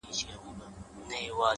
• لټ د دوبي سیوری غواړي د ژمي پیتاوی ,